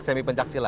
semi pencak silat